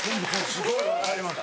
すごい分かります。